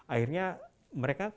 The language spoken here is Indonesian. akhirnya mereka konfirmasi